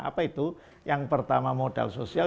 apa itu yang pertama modal sosial